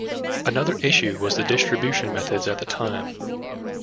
Another issue was the distribution methods at the time.